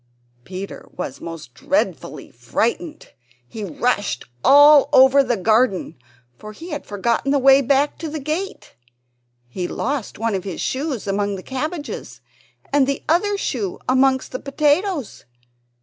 Peter was most dreadfully frightened; he rushed all over the garden, for he had forgotten the way back to the gate. He lost one of his shoes among the cabbages, and the other shoe amongst the potatoes.